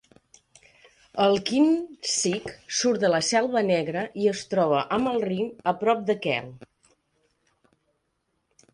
El Kinzig surt de la Selva Negra i es troba amb el Rin, a prop de Kehl.